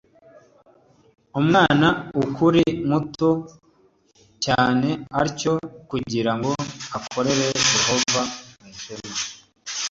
Umwana ukiri muto cyane atyo kugira ngo akorere yehova mu ihema